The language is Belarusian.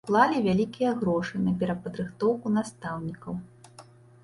Уклалі вялікія грошы на перападрыхтоўку настаўнікаў.